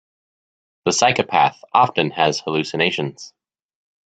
The psychopath often has hallucinations.